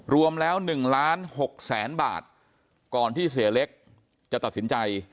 รวมแล้ว๑ล้านหกแสนบาทก่อนที่เสียเล็กจะตัดสินใจ